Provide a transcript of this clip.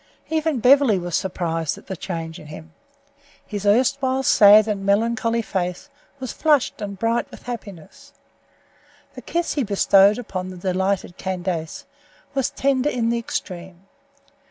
Even Beverly was surprised at the change in him. His erstwhile sad and melancholy face was flushed and bright with happiness. The kiss he bestowed upon the delighted Candace was tender in the extreme.